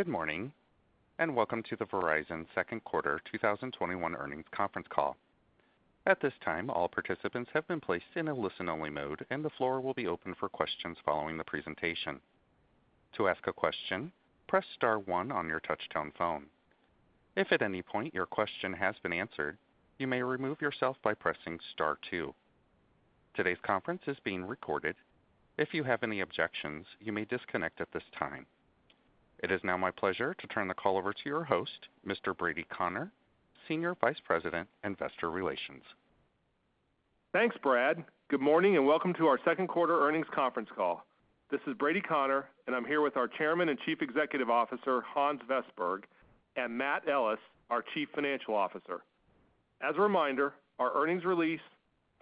Good morning, and welcome to the Verizon second quarter 2021 earnings conference call. At this time, all participants have been placed in a listen-only mode, and the floor will be open for questions following the presentation. To ask a question, press star one on your touch-tone phone. If at any point your question has been answered, you may remove yourself by pressing star two. Today's conference is being recorded. If you have any objections, you may disconnect at this time. It is now my pleasure to turn the call over to your host, Mr. Brady Connor, Senior Vice President, Investor Relations. Thanks, Brady Connor. Good morning and welcome to our second quarter earnings conference call. This is Brady Connor, and I'm here with our Chairman and Chief Executive Officer, Hans Vestberg, Matt Ellis, our Chief Financial Officer. As a reminder, our earnings release,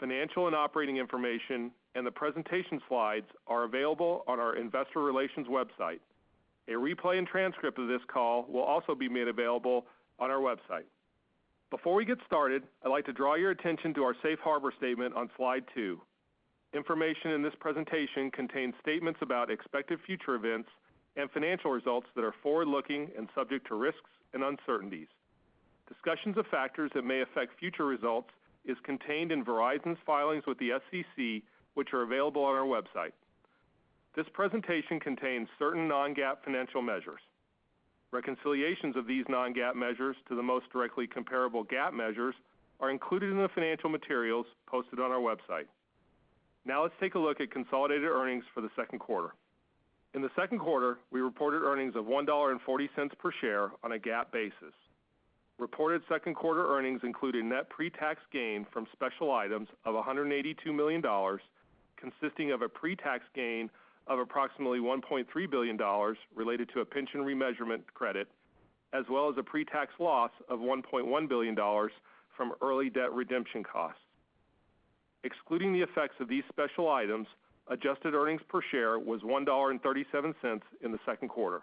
financial and operating information, and the presentation slides are available on our investor relations website. A replay and transcript of this call will also be made available on our website. Before we get started, I'd like to draw your attention to our safe harbor statement on slide two. Information in this presentation contains statements about expected future events and financial results that are forward-looking and subject to risks and uncertainties. Discussions of factors that may affect future results is contained in Verizon's filings with the SEC, which are available on our website. This presentation contains certain non-GAAP financial measures. Reconciliations of these non-GAAP measures to the most directly comparable GAAP measures are included in the financial materials posted on our website. Now let's take a look at consolidated earnings for the second quarter. In the second quarter, we reported earnings of $1.40 per share on a GAAP basis. Reported second quarter earnings including net pre-tax gain from special items of $182 million, consisting of a pre-tax gain of approximately $1.3 billion related to a pension remeasurement credit, as well as a pre-tax loss of $1.1 billion from early debt redemption costs. Excluding the effects of these special items, adjusted earnings per share was $1.37 in the second quarter.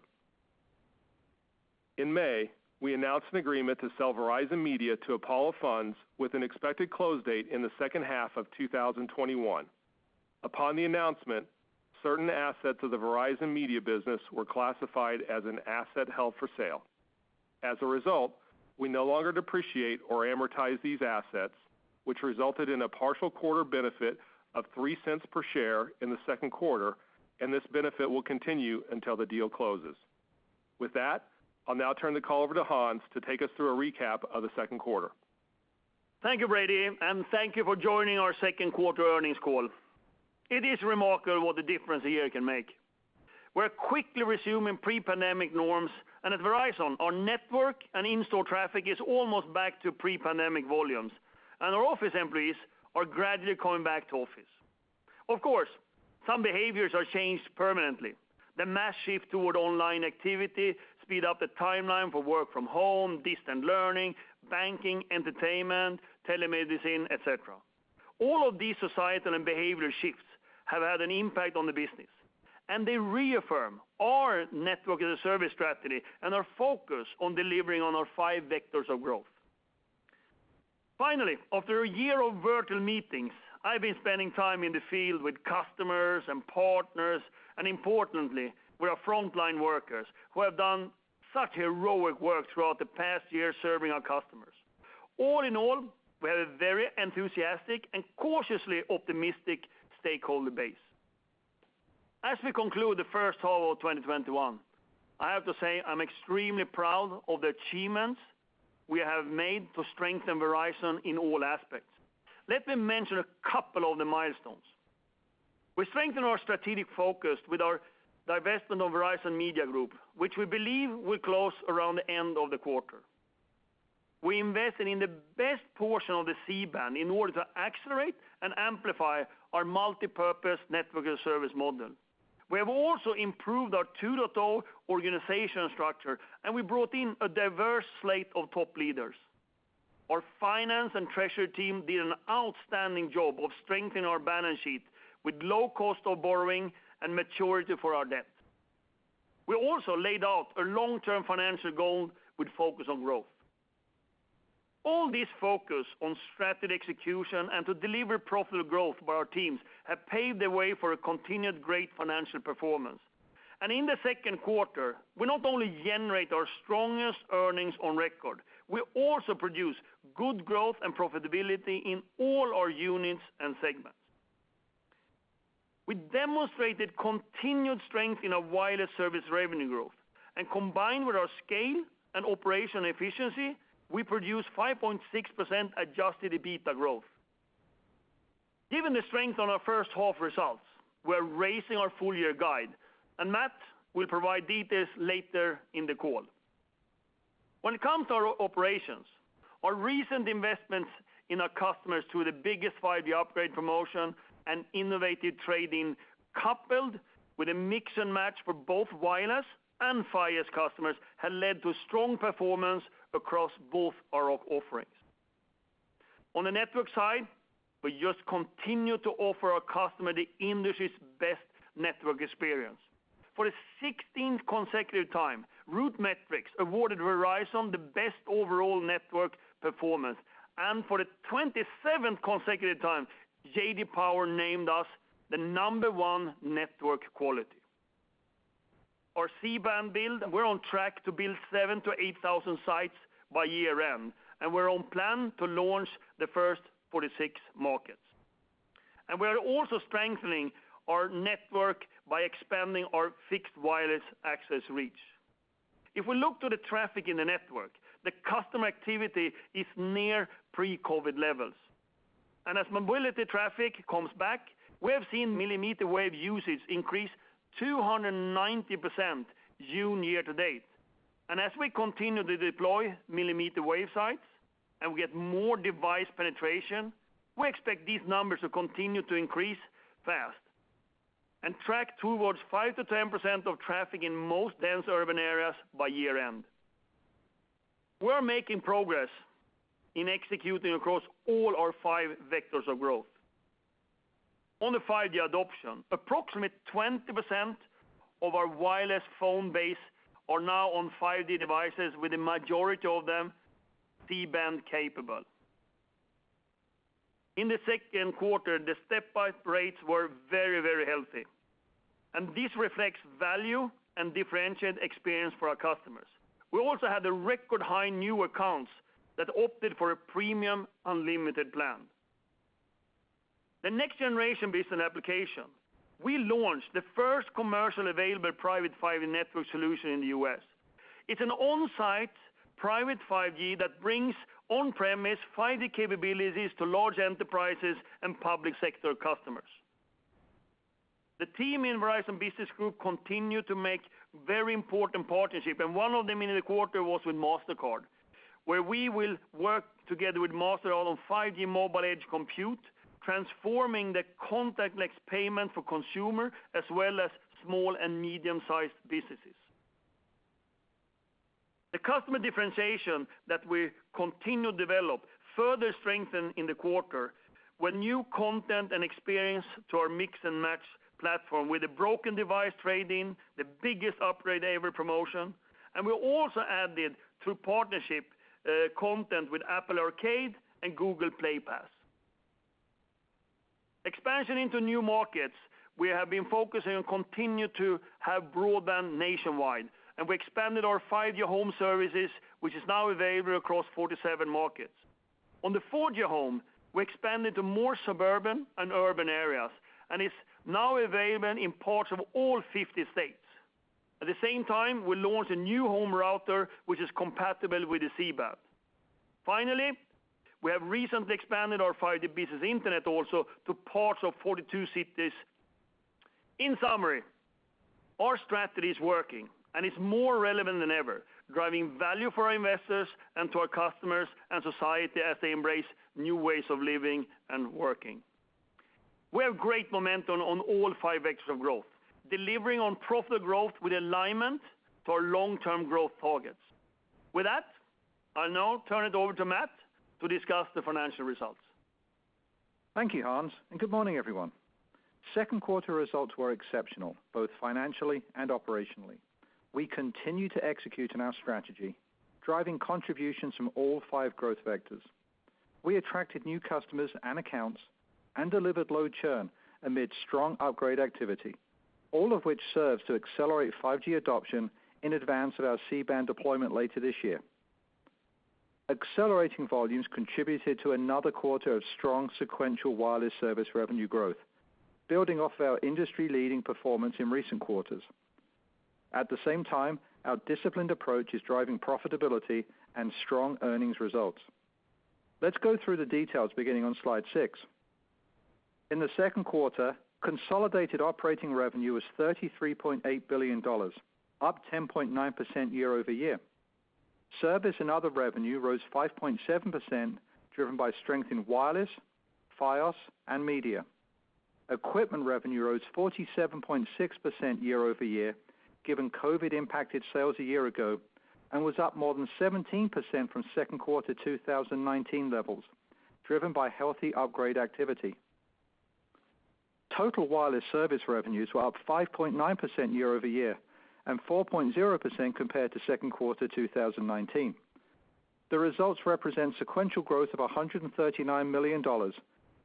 In May, we announced an agreement to sell Verizon Media to Apollo Funds with an expected close date in the second half of 2021. Upon the announcement, certain assets of the Verizon Media business were classified as an asset held for sale. As a result, we no longer depreciate or amortize these assets, which resulted in a partial quarter benefit of $0.03 per share in the second quarter, and this benefit will continue until the deal closes. With that, I'll now turn the call over to Hans to take us through a recap of the second quarter. Thank you, Brady, and thank you for joining our second quarter earnings call. It is remarkable what the difference a year can make. We're quickly resuming pre-pandemic norms, and at Verizon, our network and in-store traffic is almost back to pre-pandemic volumes, and our office employees are gradually coming back to office. Of course, some behaviors are changed permanently. The mass shift toward online activity speed up the timeline for work from home, distance learning, banking, entertainment, telemedicine, et cetera. All of these societal and behavior shifts have had an impact on the business, and they reaffirm our network as a service strategy and our focus on delivering on our five vectors of growth. After a year of virtual meetings, I've been spending time in the field with customers and partners, and importantly, with our frontline workers, who have done such heroic work throughout the past year serving our customers. All in all, we have a very enthusiastic and cautiously optimistic stakeholder base. As we conclude the first half of 2021, I have to say I'm extremely proud of the achievements we have made to strengthen Verizon in all aspects. Let me mention a couple of the milestones. We strengthened our strategic focus with our divestment of Verizon Media Group, which we believe will close around the end of the quarter. We invested in the best portion of the C-Band in order to accelerate and amplify our multipurpose network as a service model. We have also improved our 2.0 organizational structure, and we brought in a diverse slate of top leaders. Our finance and treasury team did an outstanding job of strengthening our balance sheet with low cost of borrowing and maturity for our debt. We also laid out a long-term financial goal with focus on growth. All this focus on strategy execution and to deliver profitable growth by our teams have paved the way for a continued great financial performance. In the second quarter, we not only generate our strongest earnings on record, we also produce good growth and profitability in all our units and segments. We demonstrated continued strength in our wireless service revenue growth, and combined with our scale and operational efficiency, we produced 5.6% adjusted EBITDA growth. Given the strength on our first half results, we're raising our full-year guide, and Matt will provide details later in the call. When it comes to our operations, our recent investments in our customers through the biggest 5G upgrade promotion and innovative trading, coupled with a Mix & Match for both wireless and Fios customers, have led to strong performance across both our offerings. On the network side, we just continue to offer our customer the industry's best network experience. For the 16th consecutive time, RootMetrics awarded Verizon the best overall network performance. For the 27th consecutive time, J.D. Power named us the number one network quality. Our C-Band build, we're on track to build 7,000-8,000 sites by year-end, and we're on plan to launch the first 46 markets. We are also strengthening our network by expanding our fixed wireless access reach. If we look to the traffic in the network, the customer activity is near pre-COVID levels. As mobility traffic comes back, we have seen millimeter wave usage increase 290% June year-to-date. As we continue to deploy millimeter wave sites and we get more device penetration, we expect these numbers to continue to increase fast and track towards 5%-10% of traffic in most dense urban areas by year-end. We're making progress in executing across all our five vectors of growth. On the 5G adoption, approximately 20% of our wireless phone base are now on 5G devices, with the majority of them C-Band capable. In the second quarter, the step-up rates were very healthy, and this reflects value and differentiated experience for our customers. We also had the record high new accounts that opted for a premium unlimited plan. The next generation business application, we launched the first commercial available Private 5G network solution in the U.S. It's an on-site private 5G that brings on-premise 5G capabilities to large enterprises and public sector customers. The team in Verizon Business Group continue to make very important partnership, and one of them in the quarter was with Mastercard, where we will work together with Mastercard on 5G mobile edge compute, transforming the contactless payment for consumer as well as small and medium-sized businesses. The customer differentiation that we continue to develop further strengthened in the quarter with new content and experience to our Mix & Match platform with the broken device trade-in, the biggest upgrade ever promotion, and we also added, through partnership, content with Apple Arcade and Google Play Pass. Expansion into new markets, we have been focusing on continue to have broadband nationwide, and we expanded our 5G Home services, which is now available across 47 markets. On the 4G Home, we expanded to more suburban and urban areas, and it's now available in parts of all 50 states. At the same time, we launched a new home router, which is compatible with the C-Band. Finally, we have recently expanded our 5G Business Internet also to parts of 42 cities. In summary, our strategy is working, and it's more relevant than ever, driving value for our investors and to our customers and society as they embrace new ways of living and working. We have great momentum on all five vectors of growth, delivering on profitable growth with alignment to our long-term growth targets. With that, I'll now turn it over to Matt to discuss the financial results. Thank you, Hans, and good morning, everyone. Second quarter results were exceptional, both financially and operationally. We continue to execute on our strategy, driving contributions from all five growth vectors. We attracted new customers and accounts and delivered low churn amid strong upgrade activity, all of which serves to accelerate 5G adoption in advance of our C-Band deployment later this year. Accelerating volumes contributed to another quarter of strong sequential wireless service revenue growth, building off our industry-leading performance in recent quarters. At the same time, our disciplined approach is driving profitability and strong earnings results. Let's go through the details beginning on slide six. In the second quarter, consolidated operating revenue was $33.8 billion, up 10.9% year-over-year. Service and other revenue rose 5.7%, driven by strength in wireless, Fios, and media. Equipment revenue rose 47.6% year-over-year, given COVID impacted sales a year ago, and was up more than 17% from second quarter 2019 levels, driven by healthy upgrade activity. Total wireless service revenues were up 5.9% year-over-year and 4.0% compared to second quarter 2019. The results represent sequential growth of $139 million,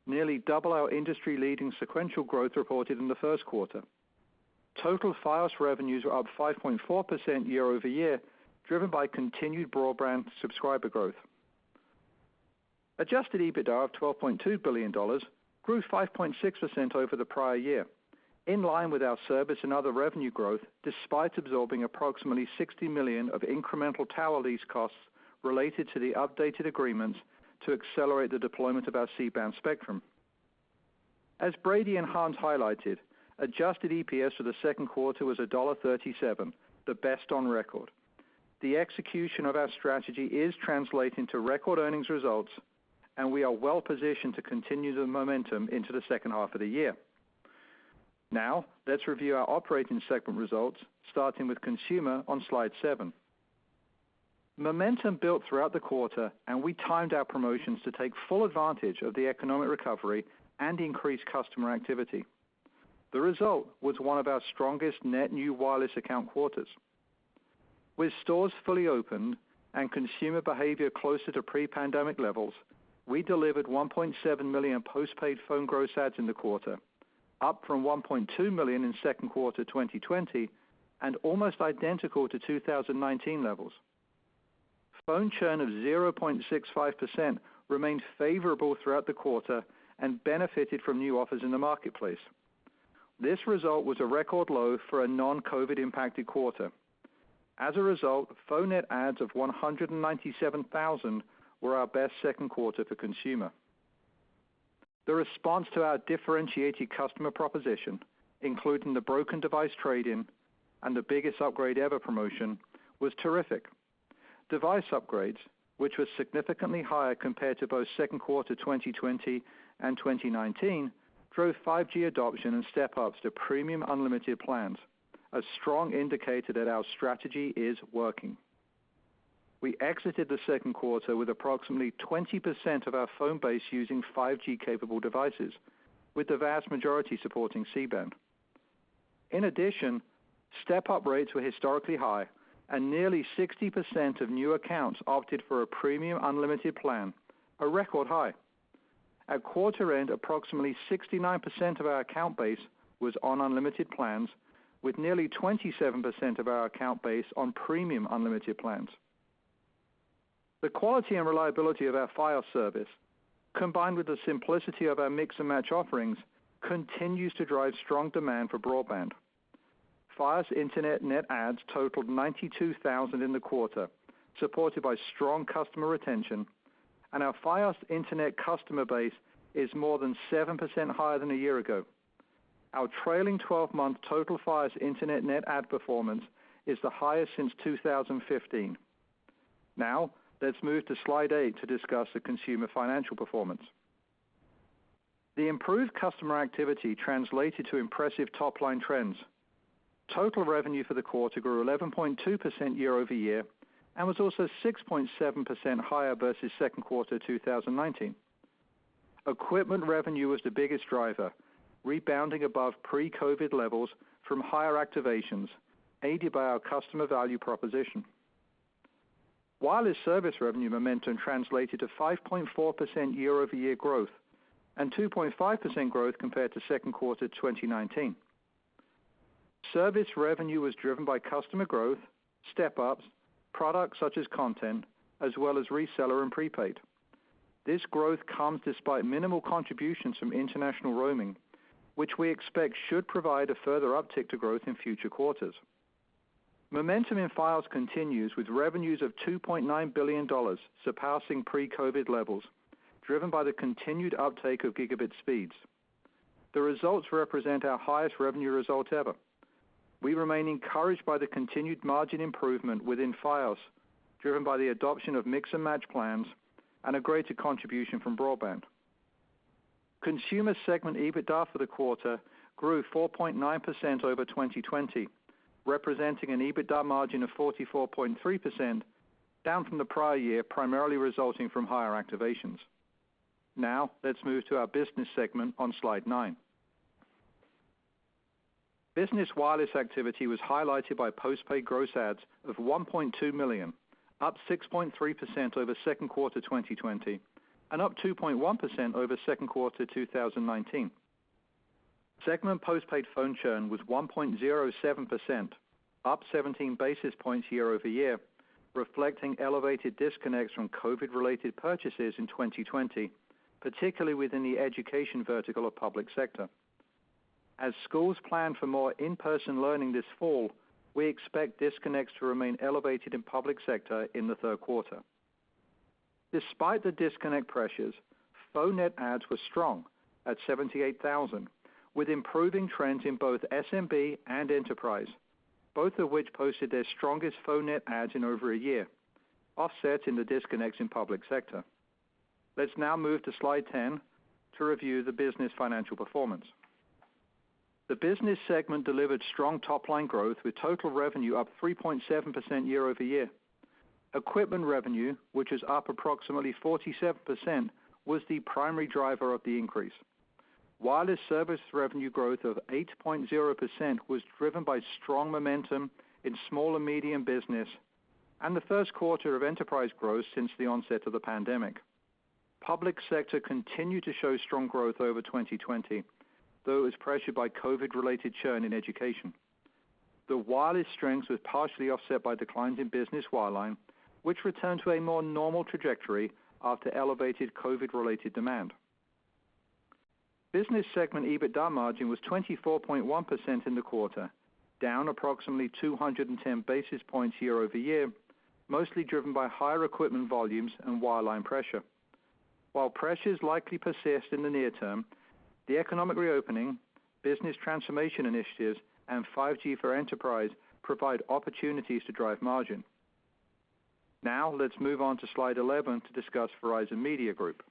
nearly double our industry-leading sequential growth reported in the first quarter. Total Fios revenues were up 5.4% year-over-year, driven by continued broadband subscriber growth. Adjusted EBITDA of $12.2 billion grew 5.6% over the prior year, in line with our service and other revenue growth, despite absorbing approximately $60 million of incremental tower lease costs related to the updated agreements to accelerate the deployment of our C-Band spectrum. As Brady and Hans highlighted, adjusted EPS for the second quarter was $1.37, the best on record. The execution of our strategy is translating to record earnings results, and we are well positioned to continue the momentum into the second half of the year. Now, let's review our operating segment results, starting with consumer on slide seven. Momentum built throughout the quarter, and we timed our promotions to take full advantage of the economic recovery and increased customer activity. The result was one of our strongest net new wireless account quarters. With stores fully open and consumer behavior closer to pre-pandemic levels, we delivered 1.7 million postpaid phone gross adds in the quarter, up from 1.2 million in second quarter 2020, and almost identical to 2019 levels. Phone churn of 0.65% remained favorable throughout the quarter and benefited from new offers in the marketplace. This result was a record low for a non-COVID-impacted quarter. As a result, phone net adds of 197,000 were our best second quarter for consumer. The response to our differentiated customer proposition, including the broken device trade-in and the biggest upgrade ever promotion, was terrific. Device upgrades, which were significantly higher compared to both second quarter 2020 and 2019, drove 5G adoption and step-ups to premium unlimited plans, a strong indicator that our strategy is working. We exited the second quarter with approximately 20% of our phone base using 5G capable devices, with the vast majority supporting C-Band. In addition, step-up rates were historically high, and nearly 60% of new accounts opted for a premium unlimited plan, a record high. At quarter end, approximately 69% of our account base was on unlimited plans, with nearly 27% of our account base on premium unlimited plans. The quality and reliability of our Fios service, combined with the simplicity of our Mix & Match offerings, continues to drive strong demand for broadband. Fios Internet net adds totaled 92,000 in the quarter, supported by strong customer retention, and our Fios Internet customer base is more than 7% higher than a year ago. Our trailing 12-month total Fios Internet net add performance is the highest since 2015. Let's move to slide eight to discuss the consumer financial performance. The improved customer activity translated to impressive top-line trends. Total revenue for the quarter grew 11.2% year-over-year and was also 6.7% higher versus second quarter 2019. Equipment revenue was the biggest driver, rebounding above pre-COVID levels from higher activations, aided by our customer value proposition. Wireless service revenue momentum translated to 5.4% year-over-year growth and 2.5% growth compared to second quarter 2019. Service revenue was driven by customer growth, step-ups, products such as content, as well as reseller and prepaid. This growth comes despite minimal contributions from international roaming, which we expect should provide a further uptick to growth in future quarters. Momentum in Fios continues with revenues of $2.9 billion, surpassing pre-COVID levels, driven by the continued uptake of gigabit speeds. The results represent our highest revenue results ever. We remain encouraged by the continued margin improvement within Fios, driven by the adoption of Mix & Match plans and a greater contribution from broadband. Consumer segment EBITDA for the quarter grew 4.9% over 2020, representing an EBITDA margin of 44.3%, down from the prior year, primarily resulting from higher activations. Let's move to our Business segment on slide nine. Business wireless activity was highlighted by postpaid gross adds of 1.2 million, up 6.3% over second quarter 2020 and up 2.1% over second quarter 2019. Segment postpaid phone churn was 1.07%, up 17 basis points year-over-year, reflecting elevated disconnects from COVID-related purchases in 2020, particularly within the education vertical of public sector. As schools plan for more in-person learning this fall, we expect disconnects to remain elevated in public sector in the third quarter. Despite the disconnect pressures, phone net adds were strong at 78,000, with improving trends in both SMB and enterprise, both of which posted their strongest phone net adds in over a year, offset in the disconnects in public sector. Let's now move to slide 10 to review the business financial performance. The business segment delivered strong top-line growth with total revenue up 3.7% year-over-year. Equipment revenue, which is up approximately 47%, was the primary driver of the increase. Wireless service revenue growth of 8.0% was driven by strong momentum in small or medium business and the first quarter of enterprise growth since the onset of the pandemic. Public sector continued to show strong growth over 2020, though it was pressured by COVID-related churn in education. The wireless strength was partially offset by declines in business wireline, which returned to a more normal trajectory after elevated COVID-related demand. Business segment EBITDA margin was 24.1% in the quarter, down approximately 210 basis points year-over-year, mostly driven by higher equipment volumes and wireline pressure. While pressures likely persist in the near term, the economic reopening, business transformation initiatives, and 5G for enterprise provide opportunities to drive margin. Now, let's move on to slide 11 to discuss Verizon Media Group.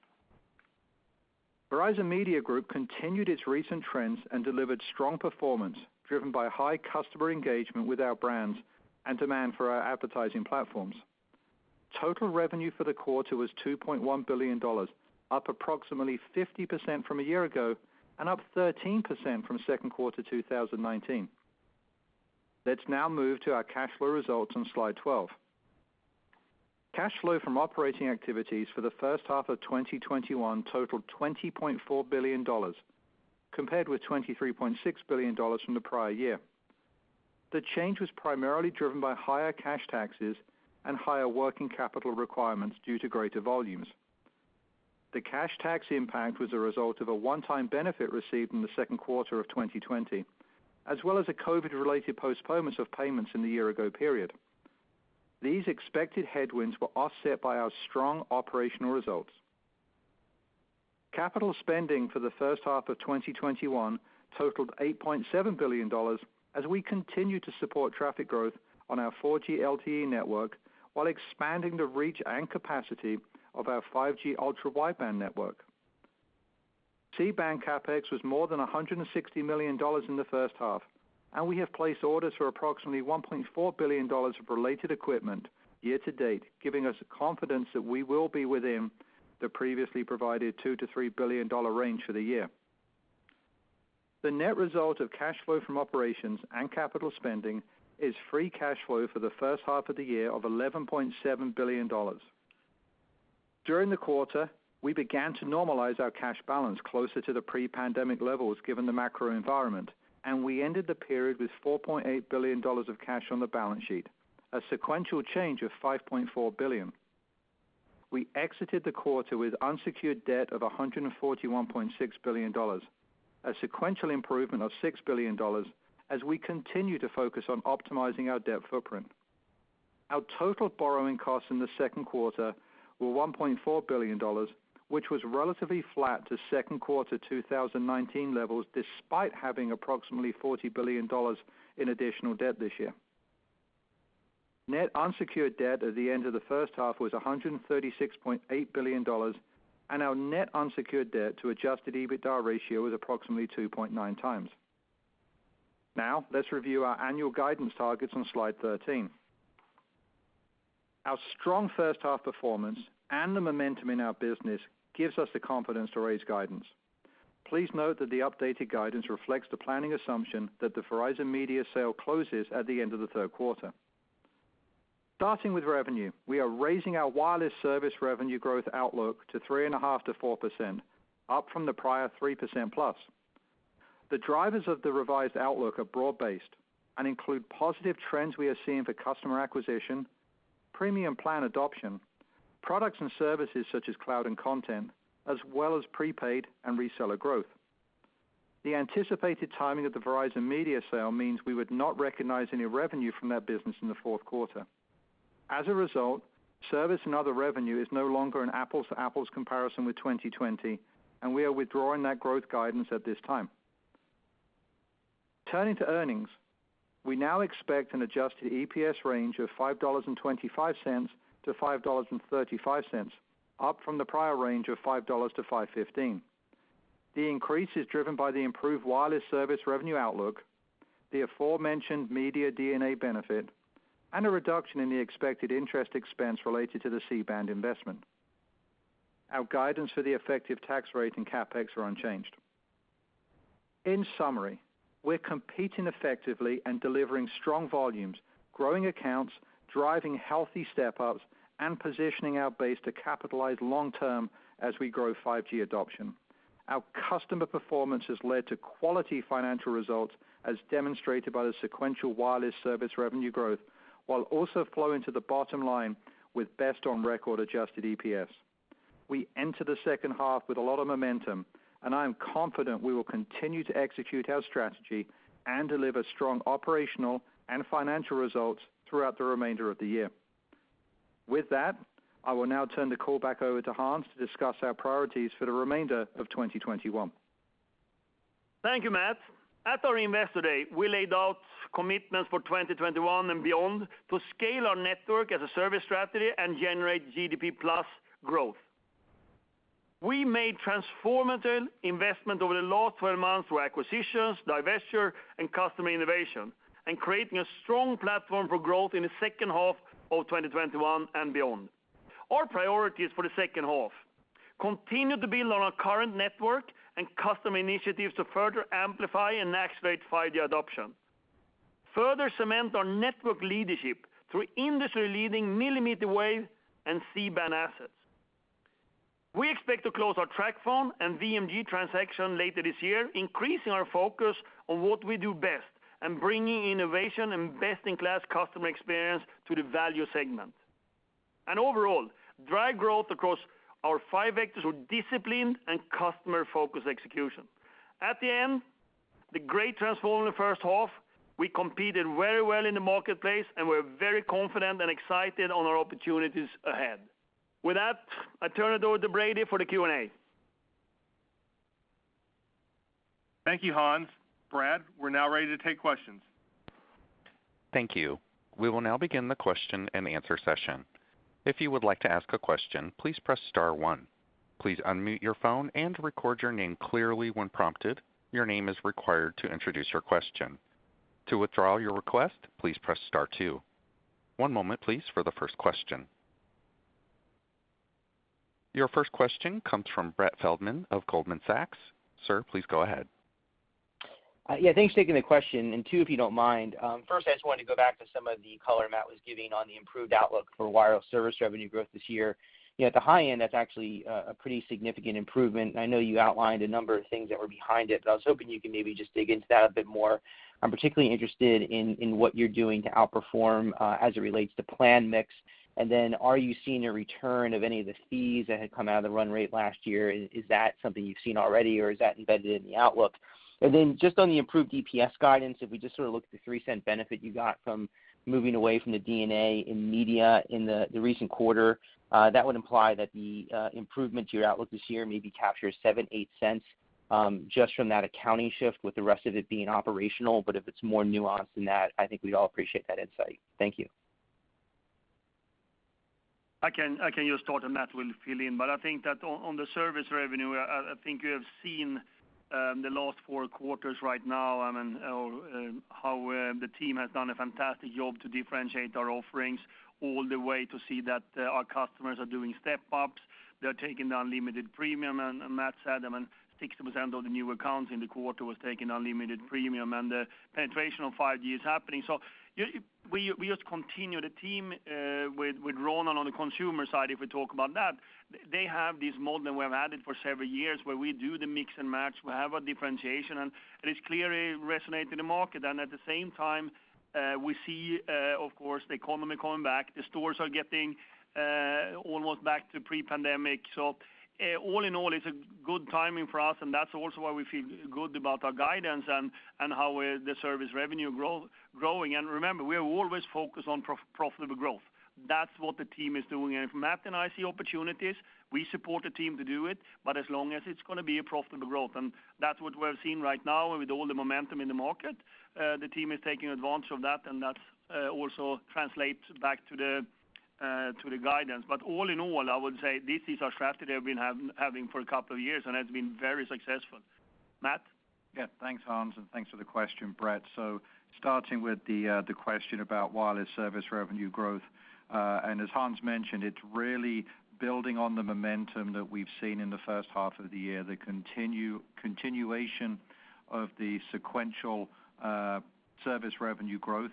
Verizon Media Group continued its recent trends and delivered strong performance driven by high customer engagement with our brands and demand for our advertising platforms. Total revenue for the quarter was $2.1 billion, up approximately 50% from a year ago and up 13% from second quarter 2019. Let's now move to our cash flow results on slide 12. Cash flow from operating activities for the first half of 2021 totaled $20.4 billion, compared with $23.6 billion from the prior year. The change was primarily driven by higher cash taxes and higher working capital requirements due to greater volumes. The cash tax impact was a result of a one-time benefit received in the second quarter of 2020, as well as a COVID-related postponements of payments in the year ago period. These expected headwinds were offset by our strong operational results. Capital spending for the first half of 2021 totaled $8.7 billion, as we continue to support traffic growth on our 4G LTE network, while expanding the reach and capacity of our 5G Ultra Wideband network. C-Band CapEx was more than $160 million in the first half, we have placed orders for approximately $1.4 billion of related equipment year to date, giving us confidence that we will be within the previously provided $2 billion-$3 billion range for the year. The net result of cash flow from operations and capital spending is free cash flow for the first half of the year of $11.7 billion. During the quarter, we began to normalize our cash balance closer to the pre-pandemic levels, given the macro environment, we ended the period with $4.8 billion of cash on the balance sheet, a sequential change of $5.4 billion. We exited the quarter with unsecured debt of $141.6 billion, a sequential improvement of $6 billion, as we continue to focus on optimizing our debt footprint. Our total borrowing costs in the second quarter were $1.4 billion, which was relatively flat to second quarter 2019 levels, despite having approximately $40 billion in additional debt this year. Net unsecured debt at the end of the first half was $136.8 billion, and our net unsecured debt to adjusted EBITDA ratio was approximately 2.9 times. Let's review our annual guidance targets on slide 13. Our strong first half performance and the momentum in our business gives us the confidence to raise guidance. Please note that the updated guidance reflects the planning assumption that the Verizon Media sale closes at the end of the third quarter. Starting with revenue, we are raising our wireless service revenue growth outlook to 3.5%-4%, up from the prior 3%+. The drivers of the revised outlook are broad-based and include positive trends we are seeing for customer acquisition, premium plan adoption, products and services such as cloud and content, as well as prepaid and reseller growth. The anticipated timing of the Verizon Media sale means we would not recognize any revenue from that business in the fourth quarter. As a result, service and other revenue is no longer an apples-to-apples comparison with 2020, and we are withdrawing that growth guidance at this time. Turning to earnings, we now expect an adjusted EPS range of $5.25-$5.35, up from the prior range of $5-$5.15. The increase is driven by the improved wireless service revenue outlook, the aforementioned Media D&A benefit, and a reduction in the expected interest expense related to the C-Band investment. Our guidance for the effective tax rate and CapEx are unchanged. In summary, we're competing effectively and delivering strong volumes, growing accounts, driving healthy step-ups, and positioning our base to capitalize long term as we grow 5G adoption. Our customer performance has led to quality financial results as demonstrated by the sequential wireless service revenue growth, while also flowing to the bottom line with best-on-record adjusted EPS. We enter the second half with a lot of momentum, and I am confident we will continue to execute our strategy and deliver strong operational and financial results throughout the remainder of the year. With that, I will now turn the call back over to Hans to discuss our priorities for the remainder of 2021. Thank you, Matt. At our Investor Day, we laid out commitments for 2021 and beyond to scale our network as a service strategy and generate GDP plus growth. We made transformative investment over the last 12 months through acquisitions, divestiture, and customer innovation, and creating a strong platform for growth in the second half of 2021 and beyond. Our priorities for the second half, continue to build on our current network and customer initiatives to further amplify and accelerate 5G adoption. Further cement our network leadership through industry-leading millimeter wave and C-Band assets. We expect to close our TracFone and VMG transaction later this year, increasing our focus on what we do best and bringing innovation and best-in-class customer experience to the value segment. Overall, drive growth across our five vectors with disciplined and customer-focused execution. At the end, the great transform in the first half, we competed very well in the marketplace, and we're very confident and excited on our opportunities ahead. With that, I turn it over to Brady for the Q&A. Thank you, Hans. Brady, we're now ready to take questions. Thank you. We will now begin the question and answer session. If you would like to ask a question, please press star one. Please unmute your phone and record your name clearly when prompted. Your name is required to introduce your question. To withdraw your request, please press star two. One moment, please, for the first question. Your first question comes from Brett Feldman of Goldman Sachs. Sir, please go ahead. Thanks for taking the question, and two, if you don't mind. First, I just wanted to go back to some of the color Matt was giving on the improved outlook for wireless service revenue growth this year. At the high end, that's actually a pretty significant improvement, and I know you outlined a number of things that were behind it, but I was hoping you could maybe just dig into that a bit more. I'm particularly interested in what you're doing to outperform as it relates to plan mix. Are you seeing a return of any of the fees that had come out of the run rate last year? Is that something you've seen already, or is that embedded in the outlook? Just on the improved EPS guidance, if we just sort of look at the $0.03 benefit you got from moving away from the D&A in Media in the recent quarter, that would imply that the improvement to your outlook this year maybe captures $0.07-$0.08 just from that accounting shift, with the rest of it being operational. If it's more nuanced than that, I think we'd all appreciate that insight. Thank you. I can just start, and Matt will fill in. I think that on the service revenue, I think you have seen the last four quarters right now and how the team has done a fantastic job to differentiate our offerings all the way to see that our customers are doing step-ups. They're taking the unlimited premium, and Matt said 60% of the new accounts in the quarter was taking unlimited premium, and the penetration of 5G is happening. We just continue. The team with Ronan on the consumer side, if we talk about that, they have this model that we have had it for several years, where we do the Mix & Match, we have a differentiation, and it is clearly resonating in the market. At the same time, we see, of course, the economy coming back. The stores are getting almost back to pre-pandemic. All in all, it's a good timing for us, and that's also why we feel good about our guidance and how the service revenue growing. Remember, we are always focused on profitable growth. That's what the team is doing. If Matt and I see opportunities, we support the team to do it, but as long as it's going to be a profitable growth. That's what we're seeing right now with all the momentum in the market. The team is taking advantage of that, and that also translates back to the guidance. All in all, I would say these are strategies we have been having for a couple of years and has been very successful. Matt? Yeah. Thanks, Hans, and thanks for the question, Brett. Starting with the question about wireless service revenue growth. As Hans mentioned, it's really building on the momentum that we've seen in the first half of the year, the continuation of the sequential service revenue growth.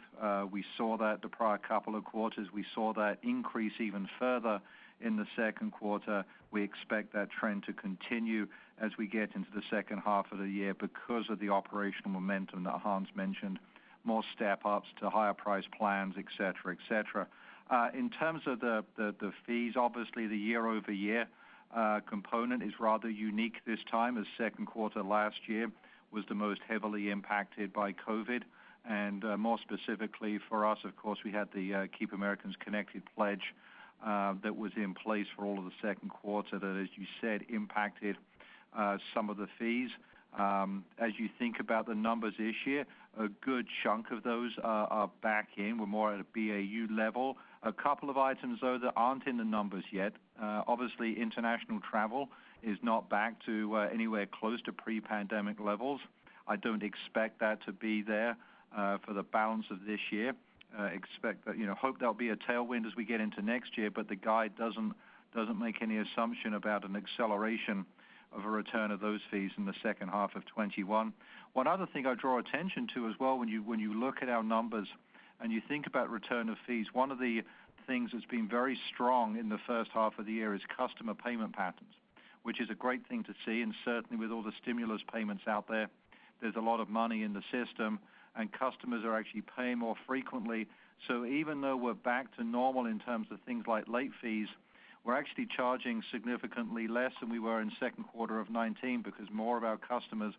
We saw that the prior couple of quarters. We saw that increase even further in the second quarter. We expect that trend to continue as we get into the second half of the year because of the operational momentum that Hans mentioned, more step-ups to higher price plans, et cetera. In terms of the fees, obviously the year-over-year component is rather unique this time, as second quarter last year was the most heavily impacted by COVID. More specifically for us, of course, we had the Keep Americans Connected pledge that was in place for all of the second quarter that, as you said, impacted some of the fees. You think about the numbers this year, a good chunk of those are back in. We're more at a BAU level. A couple of items, though, that aren't in the numbers yet. Obviously, international travel is not back to anywhere close to pre-pandemic levels. I don't expect that to be there for the balance of this year. Hope there'll be a tailwind as we get into next year, but the guide doesn't make any assumption about an acceleration of a return of those fees in the second half of 2021. One other thing I'd draw attention to as well when you look at our numbers and you think about return of fees, one of the things that's been very strong in the first half of the year is customer payment patterns, which is a great thing to see. Certainly with all the stimulus payments out there's a lot of money in the system. Customers are actually paying more frequently. Even though we're back to normal in terms of things like late fees, we're actually charging significantly less than we were in second quarter of 2019 because more of our customers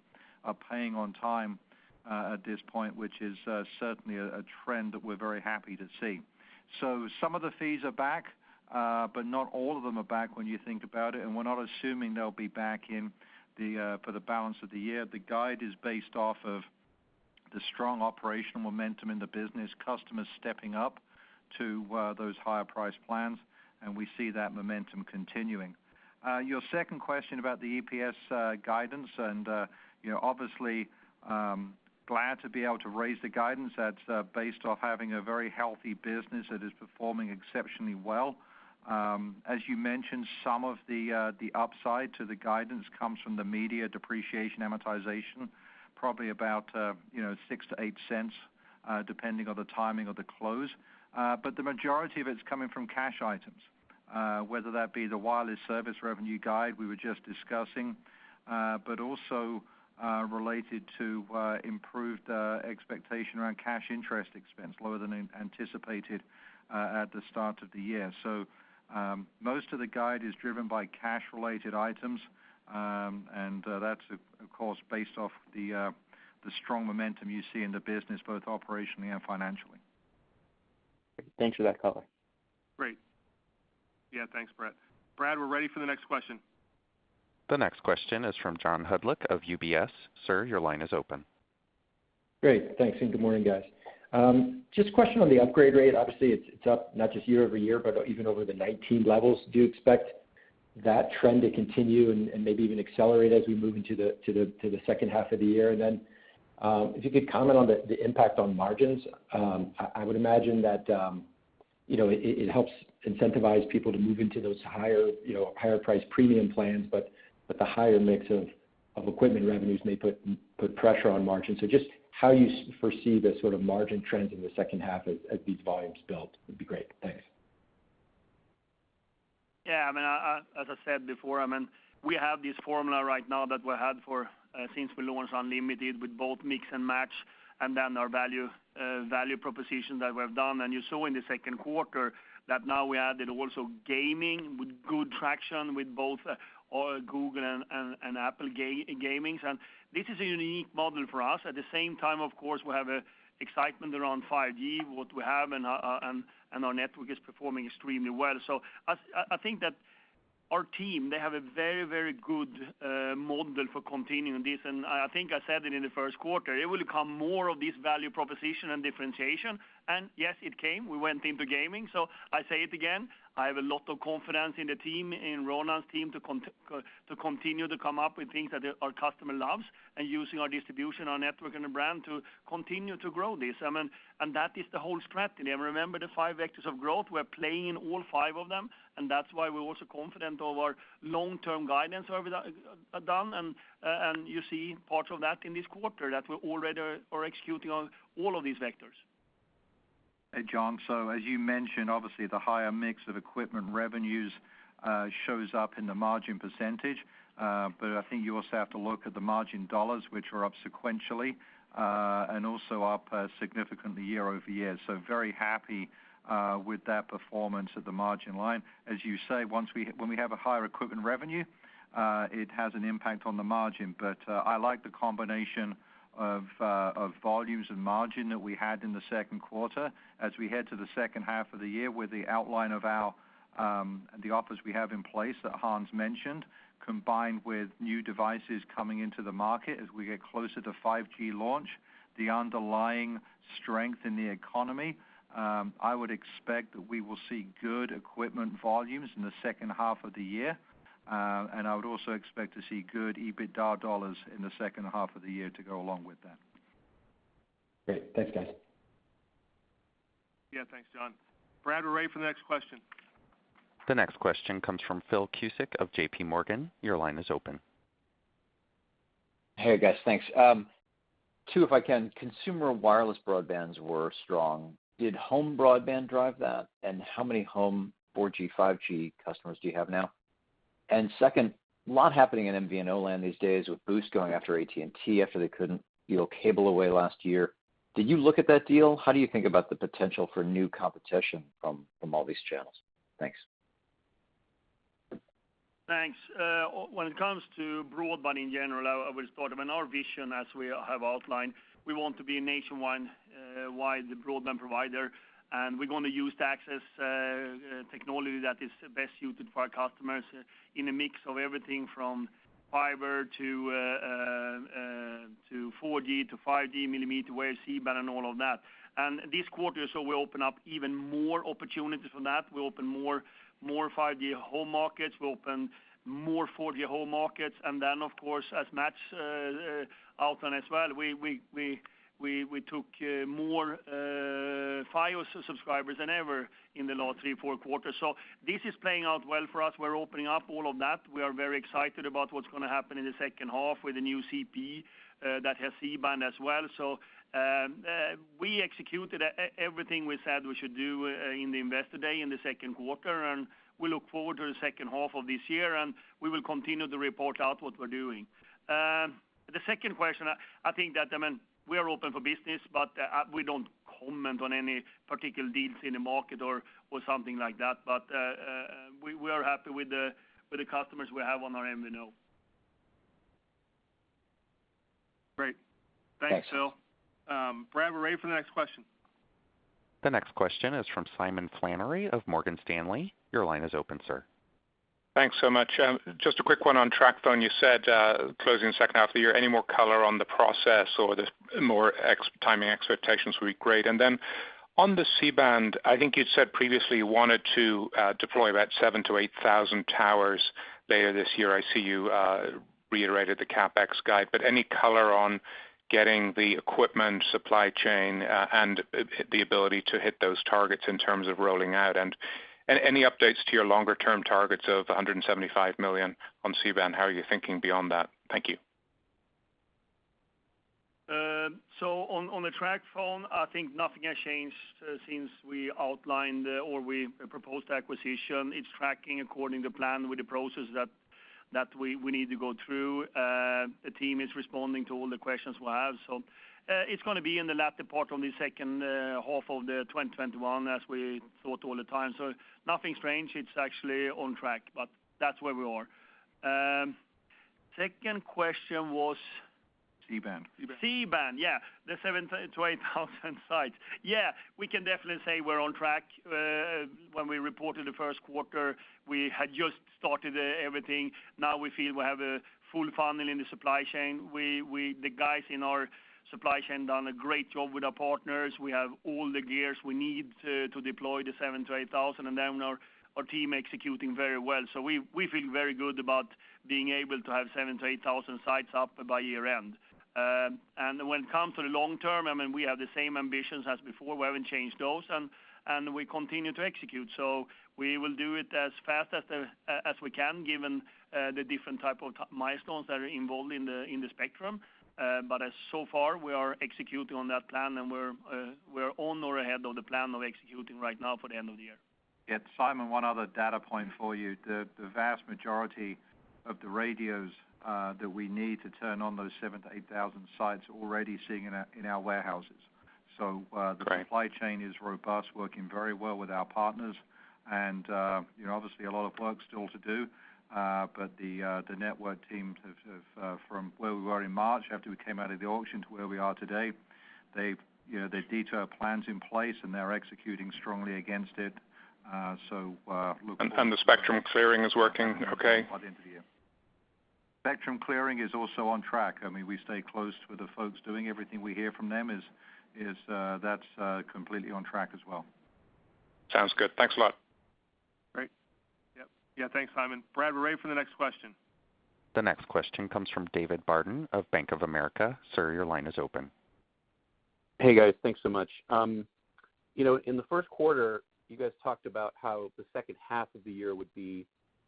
are paying on time at this point, which is certainly a trend that we're very happy to see. Some of the fees are back, but not all of them are back when you think about it, and we're not assuming they'll be back in for the balance of the year. The guide is based off of the strong operational momentum in the business, customers stepping up to those higher price plans, and we see that momentum continuing. Your second question about the EPS guidance and, obviously, glad to be able to raise the guidance that's based off having a very healthy business that is performing exceptionally well. As you mentioned, some of the upside to the guidance comes from the media depreciation, amortization, probably about $0.06-$0.08, depending on the timing of the close. The majority of it's coming from cash items, whether that be the wireless service revenue guide we were just discussing, but also related to improved expectation around cash interest expense, lower than anticipated at the start of the year. Most of the guide is driven by cash related items, and that's of course based off the strong momentum you see in the business, both operationally and financially. Thanks for that color. Great. Yeah, thanks, Brett. Brady, we're ready for the next question. The next question is from John Hodulik of UBS. Sir, your line is open. Great. Thanks, and good morning, guys. Just a question on the upgrade rate. Obviously, it's up not just year-over-year, but even over the 2019 levels. Do you expect that trend to continue and maybe even accelerate as we move into the second half of the year? If you could comment on the impact on margins. I would imagine that it helps incentivize people to move into those higher-price premium plans, but the higher mix of equipment revenues may put pressure on margins. Just how you foresee the sort of margin trends in the second half as these volumes build would be great. Thanks. Yeah. As I said before, we have this formula right now that we had since we launched unlimited with both Mix & Match, and then our value proposition that we've done. You saw in the second quarter that now we added also gaming with good traction with both Google and Apple gamings. This is a unique model for us. At the same time, of course, we have excitement around 5G, what we have, and our network is performing extremely well. I think that our team, they have a very good model for continuing this, and I think I said it in the first quarter, it will become more of this value proposition and differentiation. Yes, it came, we went into gaming. I say it again, I have a lot of confidence in the team, in Ronan's team to continue to come up with things that our customer loves and using our distribution, our network, and the brand to continue to grow this. That is the whole strategy. Remember the five vectors of growth? We're playing all five of them, and that's why we're also confident of our long-term guidance done, and you see parts of that in this quarter that we already are executing on all of these vectors. John. As you mentioned, obviously the higher mix of equipment revenues shows up in the margin percentage. I think you also have to look at the margin dollars, which are up sequentially, and also up significantly year-over-year. Very happy with that performance at the margin line. As you say, when we have a higher equipment revenue, it has an impact on the margin. I like the combination of volumes and margin that we had in the second quarter. As we head to the second half of the year with the outline of the offers we have in place that Hans mentioned, combined with new devices coming into the market as we get closer to 5G launch, the underlying strength in the economy, I would expect that we will see good equipment volumes in the second half of the year. I would also expect to see good EBITDA dollars in the second half of the year to go along with that. Great. Thanks, guys. Yeah. Thanks, John. Brady, we're ready for the next question. The next question comes from Phil Cusick of JPMorgan. Your line is open. Hey, guys. Thanks. Two, if I can. Consumer wireless broadbands were strong. Did home broadband drive that? How many home 4G, 5G customers do you have now? Second, a lot happening in MVNO land these days with Boost going after AT&T after they couldn't deal cable away last year. Did you look at that deal? How do you think about the potential for new competition from all these channels? Thanks. Thanks. When it comes to broadband in general, I always thought of in our vision as we have outlined, we want to be a nationwide broadband provider, and we're going to use access technology that is best suited for our customers in a mix of everything from fiber to 4G to 5G, millimeter wave, C-Band, and all of that. This quarter, we open up even more opportunities for that. We open more 5G Home markets. We open more 4G Home markets. Of course, as Matt outlined as well, we took more Fios subscribers than ever in the last three, four quarters. This is playing out well for us. We're opening up all of that. We are very excited about what's going to happen in the second half with the new CPE that has C-Band as well. We executed everything we said we should do in the Investor Day in the second quarter, and we look forward to the second half of this year, and we will continue to report out what we're doing. The second question, I think that we are open for business, but we don't comment on any particular deals in the market or something like that. We are happy with the customers we have on our MVNO. Great. Thanks, Phil. Brady, we're ready for the next question. The next question is from Simon Flannery of Morgan Stanley. Your line is open, sir. Thanks so much. Just a quick one on TracFone. You said closing the second half of the year. Any more color on the process or the more timing expectations would be great. On the C-Band, I think you said previously you wanted to deploy about 7,000-8,000 towers later this year. I see you reiterated the CapEx guide, any color on getting the equipment supply chain and the ability to hit those targets in terms of rolling out. Any updates to your longer term targets of 175 million on C-Band? How are you thinking beyond that? Thank you. On the TracFone, I think nothing has changed since we outlined or we proposed the acquisition. It's tracking according to plan with the process that we need to go through. The team is responding to all the questions we have. It's going to be in the latter part of the second half of the 2021 as we thought all the time. Nothing strange. It's actually on track, but that's where we are. Second question was? C-Band. C-Band, yeah. The 7,000-8,000 sites. Yeah, we can definitely say we're on track. When we reported the first quarter, we had just started everything. Now we feel we have a full funnel in the supply chain. The guys in our supply chain done a great job with our partners. We have all the gears we need to deploy the 7,000-8,000 sites, and then our team executing very well. We feel very good about being able to have 7,000-8,000 sites up by year-end. When it comes to the long term, we have the same ambitions as before. We haven't changed those, and we continue to execute. We will do it as fast as we can given the different type of milestones that are involved in the spectrum. As so far, we are executing on that plan, and we're on or ahead of the plan of executing right now for the end of the year. Yeah. Simon, one other data point for you. The vast majority of the radios that we need to turn on those 7,000-8,000 sites are already sitting in our warehouses. Great The supply chain is robust, working very well with our partners and, obviously a lot of work still to do. The network teams have, from where we were in March after we came out of the auction to where we are today, they detail plans in place, and they're executing strongly against it. The spectrum clearing is working okay? Spectrum clearing is also on track. We stay close with the folks doing everything. We hear from them is, that's completely on track as well. Sounds good. Thanks a lot. Great. Yep. Yeah, thanks, Simon. Brady, we're ready for the next question. The next question comes from David Barden of Bank of America. Sir, your line is open. Hey, guys. Thanks so much. In the first quarter, you guys talked about how the second half of the year would be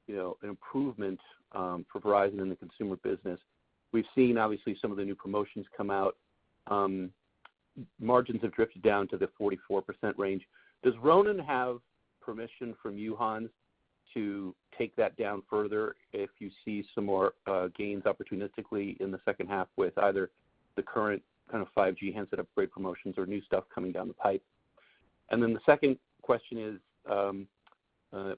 an improvement for Verizon in the consumer business. We've seen, obviously, some of the new promotions come out. Margins have drifted down to the 44% range. Does Ronan have permission from you, Hans, to take that down further if you see some more gains opportunistically in the second half with either the current kind of 5G handset upgrade promotions or new stuff coming down the pipe? The second question is,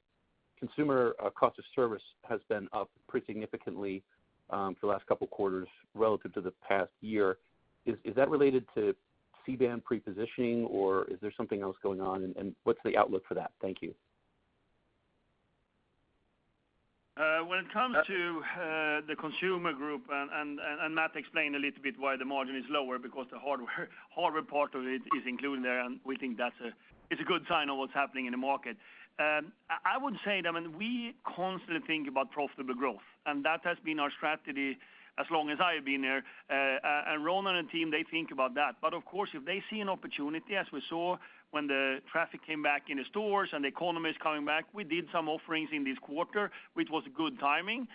consumer cost of service has been up pretty significantly for the last couple of quarters relative to the past year. Is that related to C-Band pre-positioning, or is there something else going on? What's the outlook for that? Thank you. When it comes to the consumer group, Matt explained a little bit why the margin is lower, because the hardware part of it is included there, and we think that's a good sign of what's happening in the market. I would say that when we constantly think about profitable growth, that has been our strategy as long as I have been here. Ronan and team, they think about that. Of course, if they see an opportunity, as we saw when the traffic came back in the stores and the economy is coming back, we did some offerings in this quarter, which was good timing.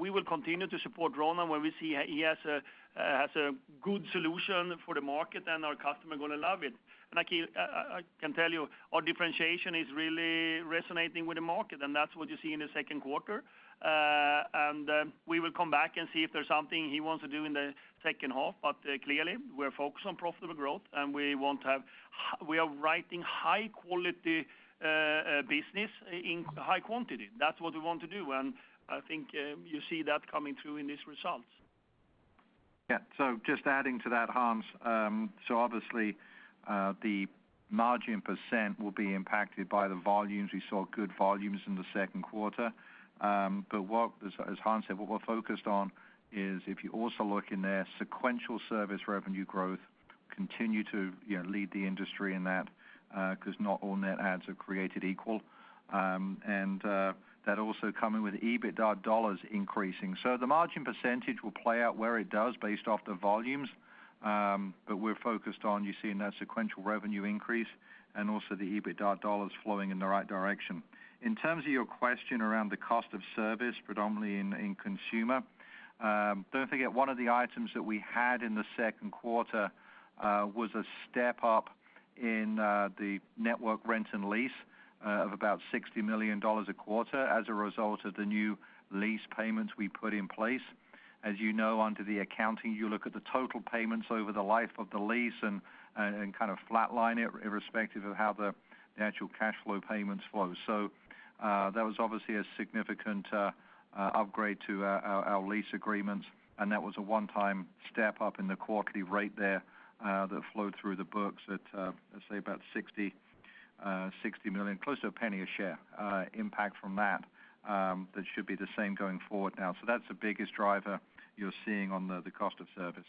We will continue to support Ronan when we see he has a good solution for the market and our customer going to love it. I can tell you, our differentiation is really resonating with the market, and that's what you see in the second quarter. We will come back and see if there's something he wants to do in the second half. Clearly, we're focused on profitable growth, and we are writing high-quality business in high quantity. That's what we want to do, and I think you see that coming through in these results. Just adding to that, Hans. Obviously, the margin percent will be impacted by the volumes. We saw good volumes in the second quarter. As Hans said, what we're focused on is if you also look in there, sequential service revenue growth continue to lead the industry in that, because not all net adds are created equal. That also coming with EBITDA dollars increasing. The margin percentage will play out where it does based off the volumes. We're focused on, you see in that sequential revenue increase and also the EBITDA dollars flowing in the right direction. In terms of your question around the cost of service, predominantly in consumer, don't forget, one of the items that we had in the second quarter was a step-up in the network rent and lease of about $60 million a quarter as a result of the new lease payments we put in place. As you know, under the accounting, you look at the total payments over the life of the lease and kind of flat line it irrespective of how the actual cash flow payments flow. That was obviously a significant upgrade to our lease agreements, and that was a one-time step-up in the quarterly rate there that flowed through the books at, let's say about $60 million, close to a $0.01 a share impact from that. That should be the same going forward now. That's the biggest driver you're seeing on the cost of service.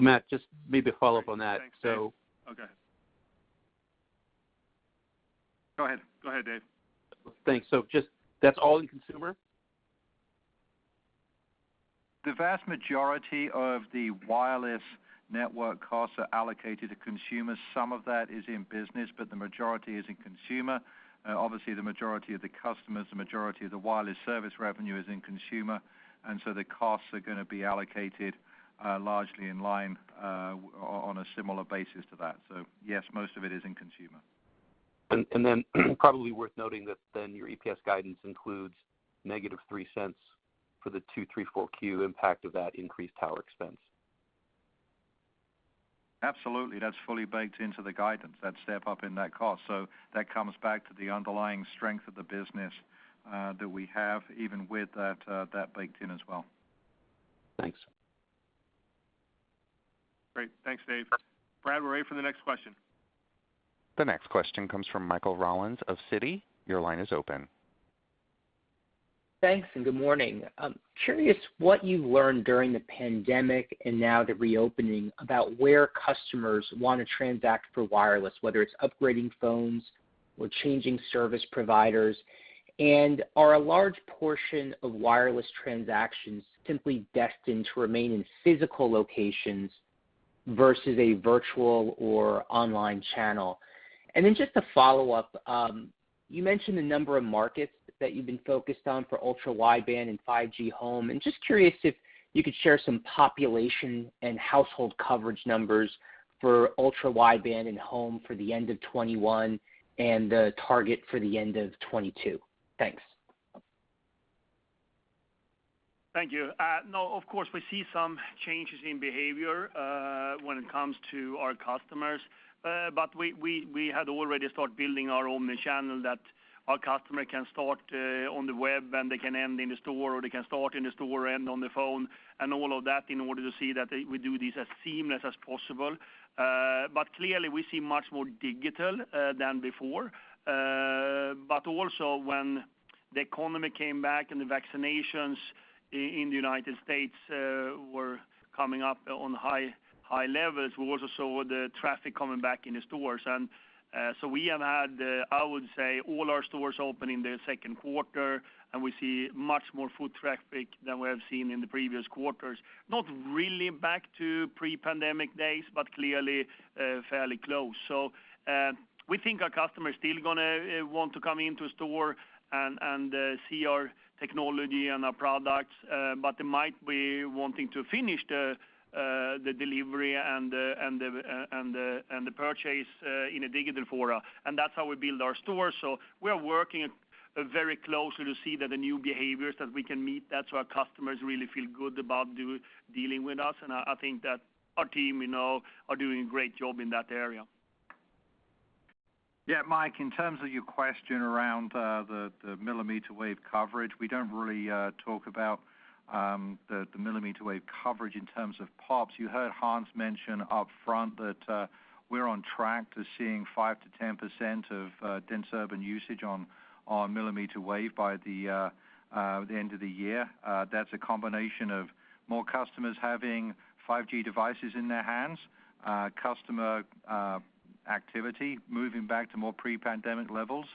Matt, just maybe a follow-up on that. Okay. Go ahead, Dave. Thanks. Just, that's all in consumer? The vast majority of the wireless network costs are allocated to consumers. Some of that is in business, but the majority is in consumer. Obviously, the majority of the customers, the majority of the wireless service revenue is in consumer, the costs are going to be allocated largely in line on a similar basis to that. Yes, most of it is in consumer. Probably worth noting that your EPS guidance includes negative $0.03 for the Q2, Q3, Q4 impact of that increased tower expense. Absolutely. That's fully baked into the guidance, that step up in that cost. That comes back to the underlying strength of the business that we have, even with that baked in as well. Thanks. Great. Thanks, Dave. Brady, we're ready for the next question. The next question comes from Michael Rollins of Citi. Your line is open. Thanks. Good morning. I'm curious what you learned during the pandemic and now the reopening about where customers want to transact for wireless, whether it's upgrading phones or changing service providers. Are a large portion of wireless transactions simply destined to remain in physical locations versus a virtual or online channel? Just a follow-up, you mentioned the number of markets that you've been focused on for 5G Ultra Wideband and 5G Home. Just curious if you could share some population and household coverage numbers for 5G Ultra Wideband and 5G Home for the end of 2021 and the target for the end of 2022. Thanks. Thank you. No, of course, we see some changes in behavior when it comes to our customers. We had already start building our own channel that our customer can start on the web, and they can end in the store, or they can start in the store, end on the phone, and all of that in order to see that we do this as seamless as possible. Clearly, we see much more digital than before. Also, when the economy came back and the vaccinations in the U.S. were coming up on high levels, we also saw the traffic coming back in the stores. We have had, I would say, all our stores open in the second quarter, and we see much more foot traffic than we have seen in the previous quarters. Not really back to pre-pandemic days, but clearly fairly close. We think our customers still going to want to come into a store and see our technology and our products, but they might be wanting to finish the delivery and the purchase in a digital form. That's how we build our stores. We are working very closely to see that the new behaviors that we can meet, that so our customers really feel good about dealing with us and I think that our team are doing a great job in that area. Yeah, Michael Rollins, in terms of your question around the millimeter wave coverage, we don't really talk about the millimeter wave coverage in terms of pops. You heard Hans Vestberg mention upfront that we're on track to seeing 5%-10% of dense urban usage on millimeter wave by the end of the year. That's a combination of more customers having 5G devices in their hands, customer activity moving back to more pre-pandemic levels,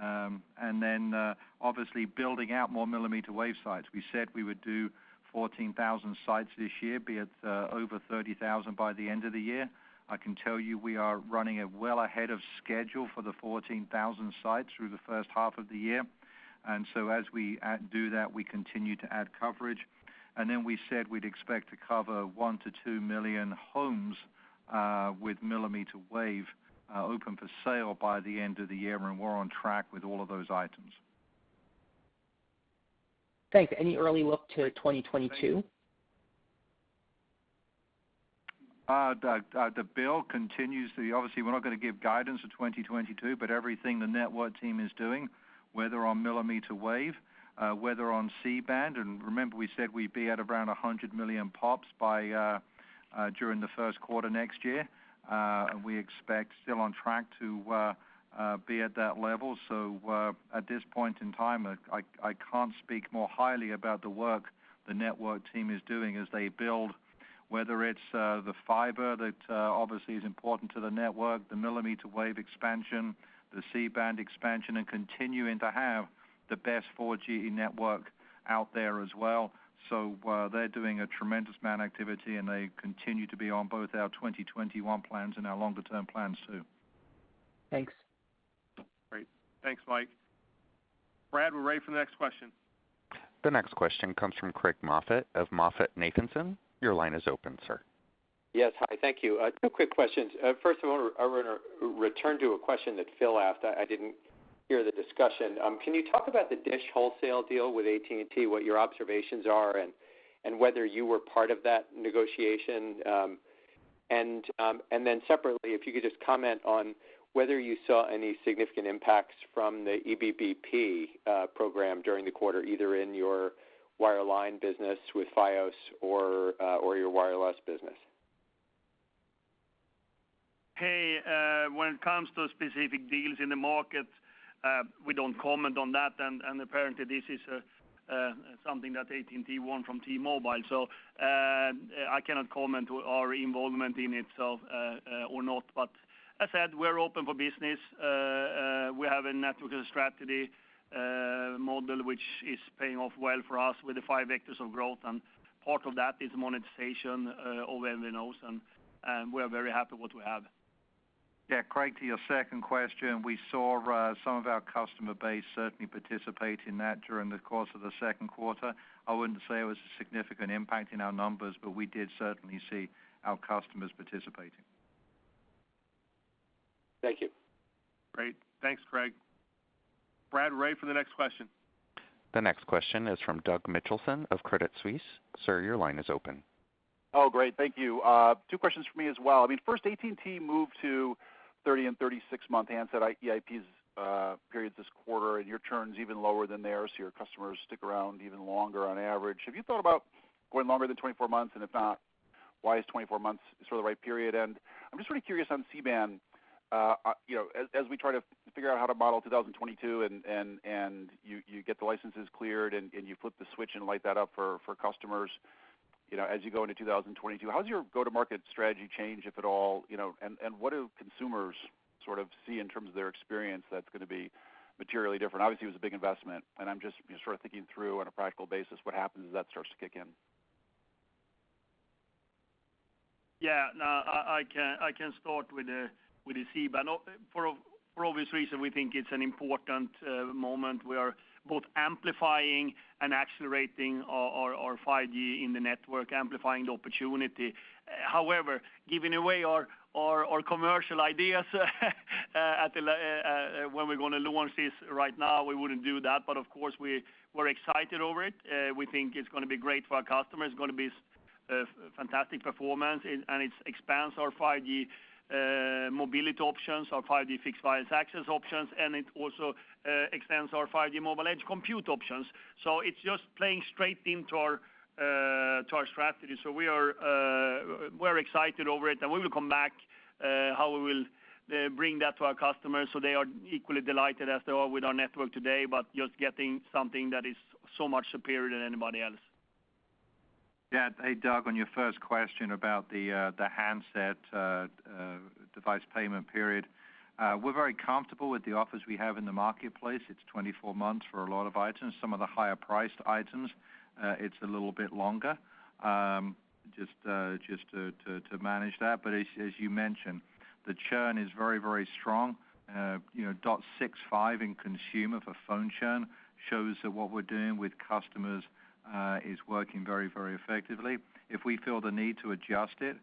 and then, obviously building out more millimeter wave sites. We said we would do 14,000 sites this year, be at over 30,000 sites by the end of the year. I can tell you we are running well ahead of schedule for the 14,000 sites through the first half of the year. As we do that, we continue to add coverage. We said we'd expect to cover one million to two million homes with millimeter wave open for sale by the end of the year, and we're on track with all of those items. Thanks. Any early look to 2022? The build continues. Obviously, we're not going to give guidance for 2022, everything the network team is doing, whether on millimeter wave, whether on C-Band, and remember, we said we'd be at around 100 million pops during the first quarter next year. We expect still on track to be at that level. At this point in time, I can't speak more highly about the work the network team is doing as they build, whether it's the fiber that obviously is important to the network, the millimeter wave expansion, the C-Band expansion, and continuing to have the best 4G network out there as well. They're doing a tremendous amount of activity, and they continue to be on both our 2021 plans and our longer-term plans, too. Thanks. Great. Thanks, Mike. Brady, we're ready for the next question. The next question comes from Craig Moffett of MoffettNathanson. Your line is open, sir. Yes. Hi, thank you. Two quick questions. First of all, I want to return to a question that Phil asked. I didn't hear the discussion. Can you talk about the DISH wholesale deal with AT&T, what your observations are and whether you were part of that negotiation? Then separately, if you could just comment on whether you saw any significant impacts from the EBB Program during the quarter, either in your wireline business with Fios or your wireless business. When it comes to specific deals in the market, we don't comment on that, and apparently this is something that AT&T won from T-Mobile. I cannot comment our involvement in itself or not. As I said, we're open for business. We have a network strategy model which is paying off well for us with the five vectors of growth, and part of that is monetization over MVNOs, and we are very happy with what we have. Craig, to your second question, we saw some of our customer base certainly participate in that during the course of the second quarter. I wouldn't say it was a significant impact in our numbers, but we did certainly see our customers participating. Thank you. Great. Thanks, Craig. Brady, we're ready for the next question. The next question is from Doug Mitchelson of Credit Suisse. Sir, your line is open. Great. Thank you. Two questions from me as well. First, AT&T moved to 30 and 36 month handset EIPs periods this quarter, and your churn's even lower than theirs, so your customers stick around even longer on average. Have you thought about going longer than 24 months? If not, why is 24 months sort of the right period? I'm just really curious on C-Band, as we try to figure out how to model 2022 and you get the licenses cleared and you flip the switch and light that up for customers, as you go into 2022, how does your go-to-market strategy change, if at all? What do consumers see in terms of their experience that's going to be materially different? Obviously, it was a big investment, and I'm just sort of thinking through on a practical basis, what happens as that starts to kick in? Yeah, no, I can start with the C-Band. For obvious reason, we think it's an important moment. We are both amplifying and accelerating our 5G in the network, amplifying the opportunity. Giving away our commercial ideas when we're going to launch this right now, we wouldn't do that, but of course, we're excited over it. We think it's going to be great for our customers, going to be fantastic performance, and it expands our 5G mobility options, our 5G fixed wireless access options, and it also extends our 5G mobile edge compute options. It's just playing straight into our strategy. We're excited over it, and we will come back how we will bring that to our customers so they are equally delighted as they are with our network today, but just getting something that is so much superior than anybody else. Yeah. Hey, Doug, on your first question about the handset device payment period, we're very comfortable with the offers we have in the marketplace. It's 24 months for a lot of items. Some of the higher priced items, it's a little bit longer, just to manage that. As you mentioned, the churn is very strong. 0.65 in consumer for phone churn shows that what we're doing with customers is working very effectively. If we feel the need to adjust it,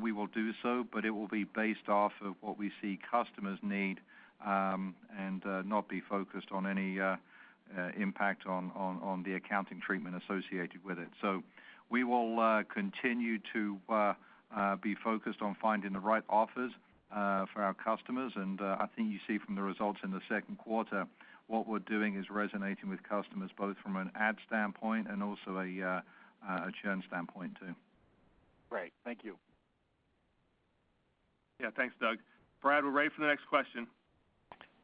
we will do so, but it will be based off of what we see customers need, and not be focused on any impact on the accounting treatment associated with it. We will continue to be focused on finding the right offers for our customers. I think you see from the results in the second quarter, what we're doing is resonating with customers, both from an add standpoint and also a churn standpoint too. Great. Thank you. Thanks, Doug. Brady, we're ready for the next question.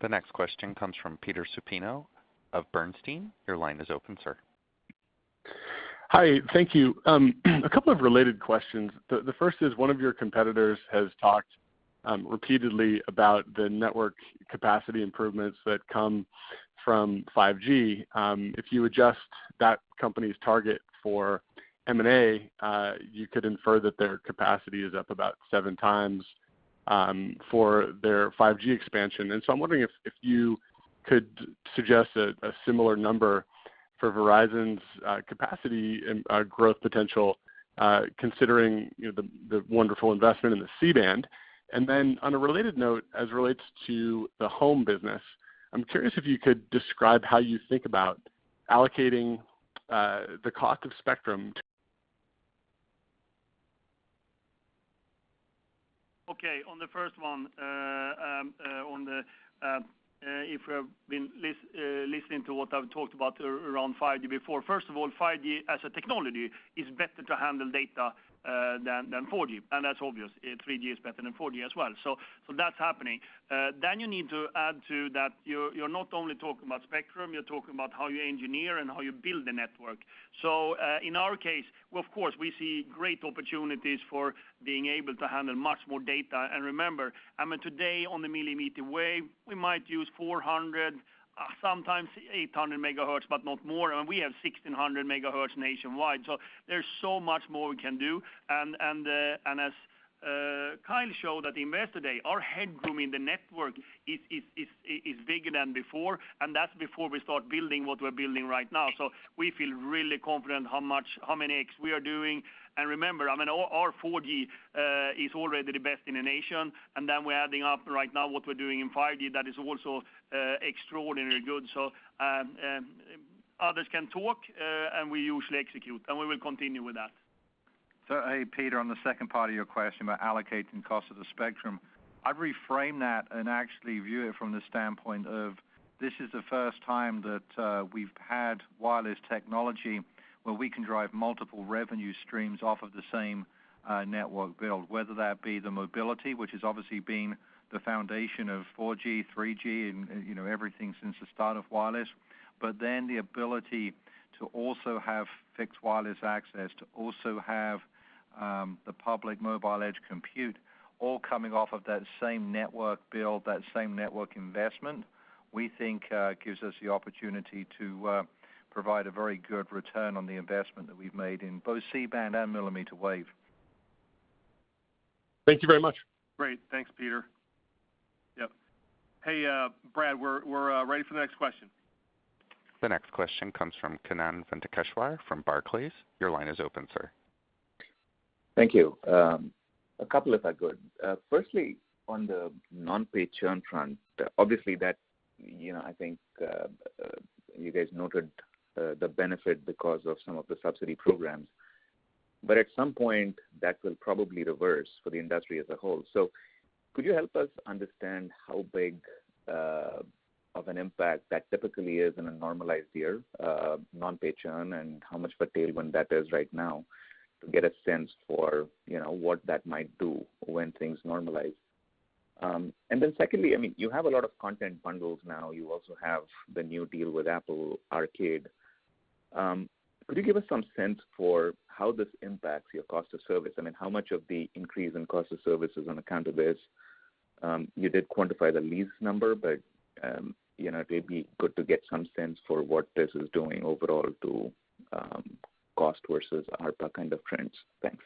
The next question comes from Peter Supino of Bernstein. Your line is open, sir. Hi. Thank you. A couple of related questions. The first is one of your competitors has talked repeatedly about the network capacity improvements that come from 5G. If you adjust that company's target for M&A, you could infer that their capacity is up about seven times for their 5G expansion. I'm wondering if you could suggest a similar number for Verizon's capacity and growth potential, considering the wonderful investment in the C-Band. On a related note, as relates to the home business, I'm curious if you could describe how you think about allocating the cost of spectrum. Okay, on the first one, if you have been listening to what I've talked about around 5G before, first of all, 5G as a technology is better to handle data than 4G, and that's obvious. 3G is better than 4G as well. That's happening. You need to add to that you're not only talking about spectrum, you're talking about how you engineer and how you build the network. In our case, of course, we see great opportunities for being able to handle much more data. Remember, today on the millimeter wave, we might use 400 MHz, sometimes 800 MHz but not more, and we have 1,600 MHz nationwide, so there's so much more we can do. As Kyle showed at Investor Day, our headroom in the network is bigger than before, and that's before we start building what we're building right now. We feel really confident how much, how many X we are doing. Remember, our 4G is already the best in the nation. We're adding up right now what we're doing in 5G that is also extraordinarily good. Others can talk, and we usually execute, and we will continue with that. Hey, Peter, on the second part of your question about allocating cost of the spectrum, I'd reframe that and actually view it from the standpoint of this is the first time that we've had wireless technology where we can drive multiple revenue streams off of the same network build, whether that be the mobility, which has obviously been the foundation of 4G, 3G and everything since the start of wireless. The ability to also have fixed wireless access, to also have the public mobile edge compute all coming off of that same network build, that same network investment, we think gives us the opportunity to provide a very good return on the investment that we've made in both C-Band and millimeter wave. Thank you very much. Great. Thanks, Peter. Yep. Hey, Brady, we're ready for the next question. The next question comes from Kannan Venkateshwar from Barclays. Your line is open, sir. Thank you. A couple if I could. Firstly, on the non-pay churn front, obviously I think you guys noted the benefit because of some of the subsidy programs. At some point, that will probably reverse for the industry as a whole. Could you help us understand how big of an impact that typically is in a normalized year, non-pay churn, and how much of a tailwind that is right now to get a sense for what that might do when things normalize? Secondly, you have a lot of content bundles now. You also have the new deal with Apple Arcade. Could you give us some sense for how this impacts your cost of service? How much of the increase in cost of service is on account of this? You did quantify the lease number, but it'd be good to get some sense for what this is doing overall to cost versus ARPA trends. Thanks.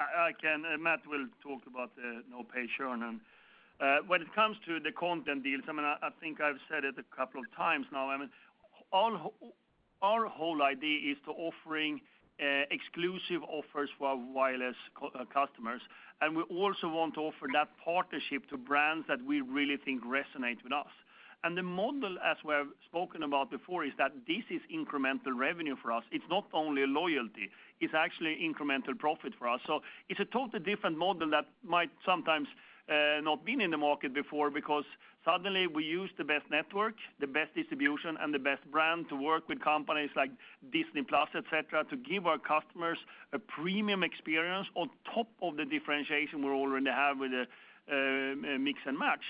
I can. Matt will talk about no-pay churn. When it comes to the content deals, I think I've said it a couple of times now, our whole idea is to offering exclusive offers for our wireless customers, and we also want to offer that partnership to brands that we really think resonate with us. The model, as we have spoken about before, is that this is incremental revenue for us. It's not only loyalty, it's actually incremental profit for us. It's a totally different model that might sometimes not been in the market before, because suddenly we use the best network, the best distribution, and the best brand to work with companies like Disney+, et cetera, to give our customers a premium experience on top of the differentiation we already have with Mix & Match.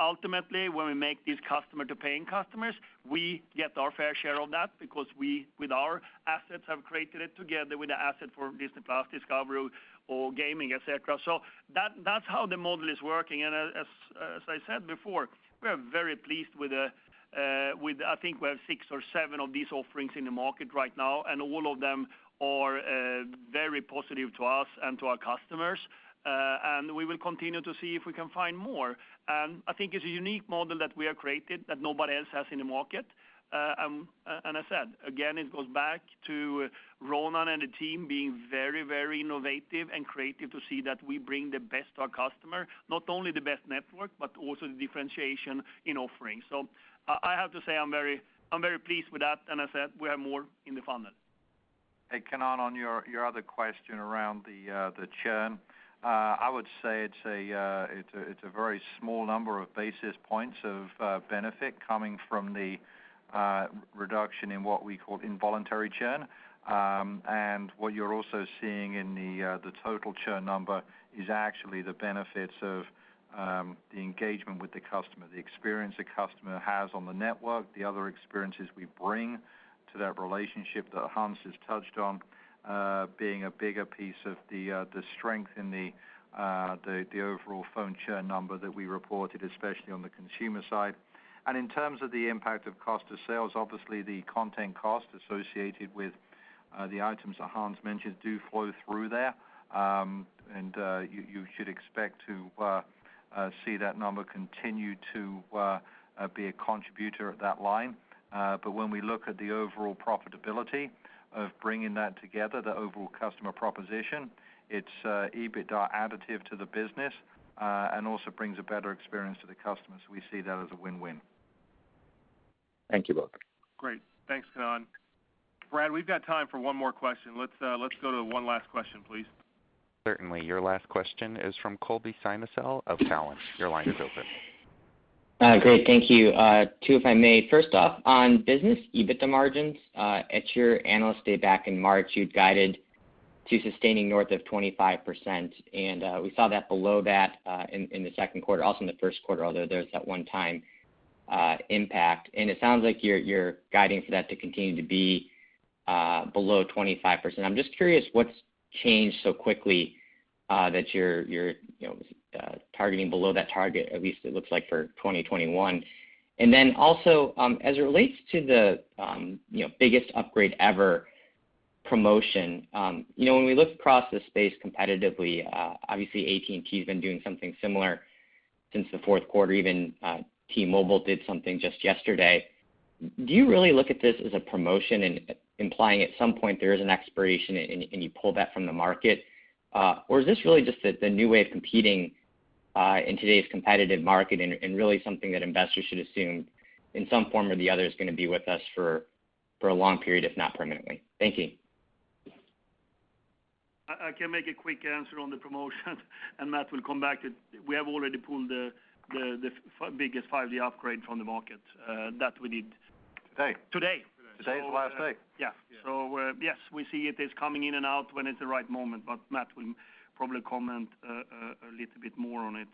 Ultimately, when we make these customer to paying customers, we get our fair share of that because we, with our assets, have created it together with the asset for Disney+, Discovery or gaming, et cetera. That's how the model is working. As I said before, we are very pleased with, I think we have six or seven of these offerings in the market right now, and all of them are very positive to us and to our customers. We will continue to see if we can find more. I think it's a unique model that we have created that nobody else has in the market. As I said, again, it goes back to Ronan and the team being very, very innovative and creative to see that we bring the best to our customer, not only the best network, but also the differentiation in offerings. I have to say, I'm very pleased with that. As I said, we have more in the funnel. Hey, Kannan, on your other question around the churn, I would say it's a very small number of basis points of benefit coming from the reduction in what we call involuntary churn. What you're also seeing in the total churn number is actually the benefits of the engagement with the customer, the experience the customer has on the network, the other experiences we bring to that relationship that Hans has touched on being a bigger piece of the strength in the overall phone churn number that we reported, especially on the consumer side. In terms of the impact of cost of sales, obviously the content cost associated with the items that Hans mentioned do flow through there. You should expect to see that number continue to be a contributor at that line. When we look at the overall profitability of bringing that together, the overall customer proposition, it's EBITDA additive to the business, and also brings a better experience to the customer. We see that as a win-win. Thank you both. Great. Thanks, Kannan. Brady, we've got time for one more question. Let's go to one last question, please. Certainly. Your last question is from Colby Synesael of Cowen. Your line is open. Great. Thank you. Two, if I may. First off, on business EBITDA margins, at your Analyst Day back in March, you'd guided to sustaining north of 25%. We saw that below that in the second quarter, also in the first quarter, although there's that one-time impact. It sounds like you're guiding for that to continue to be below 25%. I'm just curious, what's changed so quickly that you're targeting below that target, at least it looks like for 2021? Also, as it relates to the biggest upgrade ever promotion, when we look across the space competitively, obviously AT&T's been doing something similar since the fourth quarter, even T-Mobile did something just yesterday. Do you really look at this as a promotion and implying at some point there is an expiration and you pull that from the market? Is this really just the new way of competing in today's competitive market and really something that investors should assume in some form or the other is going to be with us for a long period, if not permanently? Thank you. I can make a quick answer on the promotion and Matt will come back. We have already pulled the biggest 5G upgrade from the market. Today today. Today's the last day. Yeah. Yeah. Yes, we see it is coming in and out when it's the right moment, but Matt will probably comment a little bit more on it.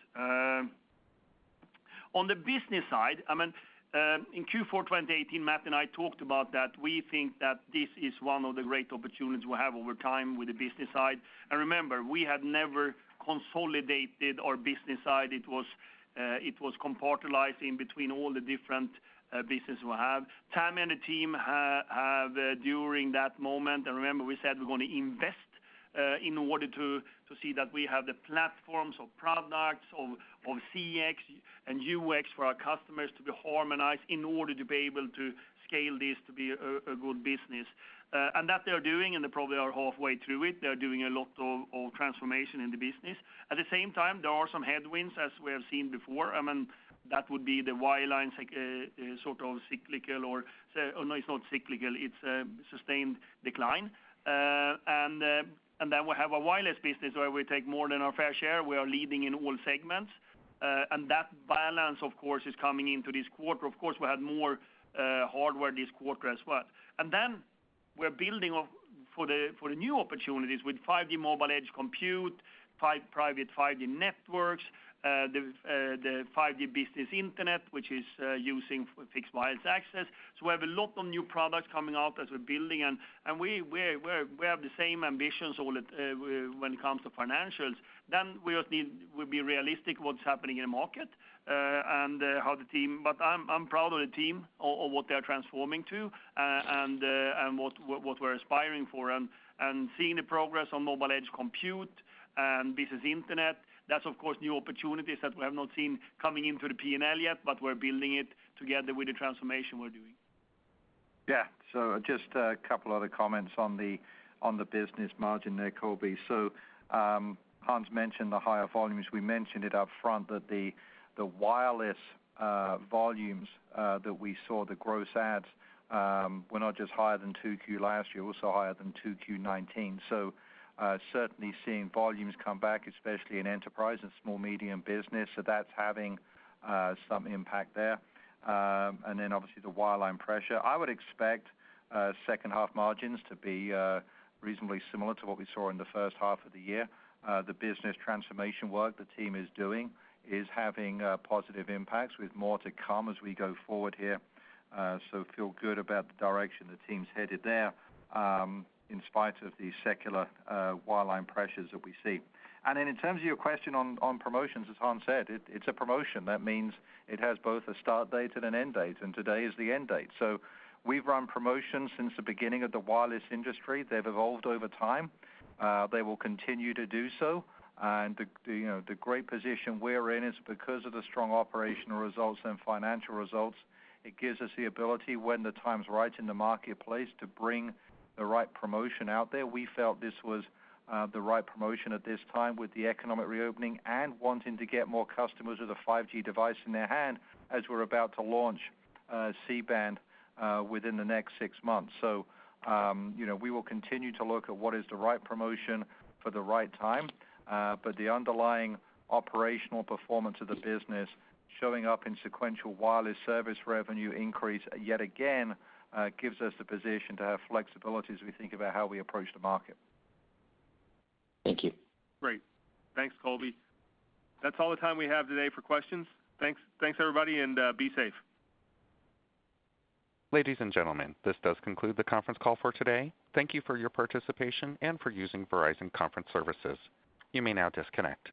On the business side, in Q4 2018, Matt and I talked about that we think that this is one of the great opportunities we have over time with the business side. Remember, we had never consolidated our business side. It was compartmentalized in between all the different business we have. Tami and the team have during that moment. Remember we said we're going to invest in order to see that we have the platforms of products, of CX and UX for our customers to be harmonized in order to be able to scale this to be a good business. That they're doing, and they probably are halfway through it. They're doing a lot of transformation in the business. At the same time, there are some headwinds, as we have seen before. That would be the wireline cyclical or No, it's not cyclical, it's a sustained decline. We have a wireless business where we take more than our fair share. We are leading in all segments. That balance, of course, is coming into this quarter. Of course, we had more hardware this quarter as well. We're building for the new opportunities with 5G mobile edge compute, Private 5G networks, the 5G Business Internet, which is using fixed wireless access. We have a lot of new products coming out as we're building, and we have the same ambitions when it comes to financials. We'll be realistic what's happening in the market. I'm proud of the team, of what they are transforming to and what we're aspiring for. Seeing the progress on mobile edge compute and business internet, that's of course, new opportunities that we have not seen coming into the P&L yet, but we're building it together with the transformation we're doing. Just a couple other comments on the business margin there, Colby. Hans mentioned the higher volumes. We mentioned it up front that the wireless volumes that we saw, the gross adds were not just higher than Q2 last year, also higher than Q2 2019. Certainly seeing volumes come back, especially in enterprise and SMB. That's having some impact there. Obviously the wireline pressure. I would expect second half margins to be reasonably similar to what we saw in the first half of the year. The business transformation work the team is doing is having positive impacts with more to come as we go forward here. Feel good about the direction the team's headed there, in spite of the secular wireline pressures that we see. In terms of your question on promotions, as Hans said, it's a promotion. That means it has both a start date and an end date, and today is the end date. We've run promotions since the beginning of the wireless industry. They've evolved over time. They will continue to do so. The great position we're in is because of the strong operational results and financial results. It gives us the ability when the time's right in the marketplace to bring the right promotion out there. We felt this was the right promotion at this time with the economic reopening and wanting to get more customers with a 5G device in their hand as we're about to launch C-Band within the next six months. We will continue to look at what is the right promotion for the right time. The underlying operational performance of the business showing up in sequential wireless service revenue increase yet again, gives us the position to have flexibility as we think about how we approach the market. Thank you. Great. Thanks, Colby. That's all the time we have today for questions. Thanks, everybody, and be safe. Ladies and gentlemen, this does conclude the conference call for today. Thank you for your participation and for using Verizon Conference Services. You may now disconnect.